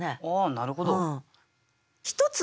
なるほど。